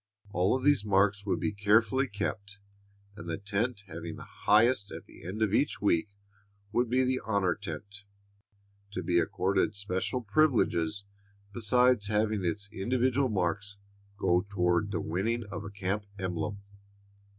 All of these marks would be carefully kept, and the tent having the highest at the end of each week would be the honor tent, to be accorded special privileges besides having its individual marks go toward the winning of a camp emblem.